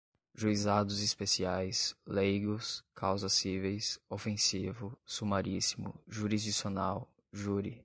juizados especiais, leigos, causas cíveis, ofensivo, sumaríssimo, jurisdicional, júri